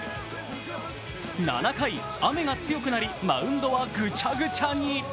７回、雨が強くなりマウンドはぐちゃぐちゃに。